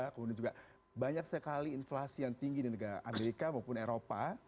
kemudian juga banyak sekali inflasi yang tinggi di negara amerika maupun eropa